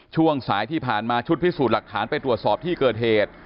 ช่วงสายที่ผ่านมาชุดพิสูจน์หลักฐานไปตรวจสอบที่เกิดเหตุ